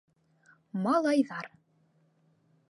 Малайҙар